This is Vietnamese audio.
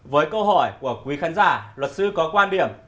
với câu hỏi của quý khán giả luật sư có quan điểm